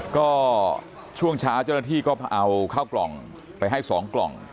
ก็ช่วงเช้าเจ้าหน้าที่ก็เอาข้าวกล่องไปให้๒กล่อง